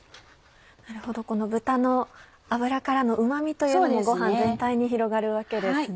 なるほどこの豚の脂からのうま味というのもご飯全体に広がるわけですね。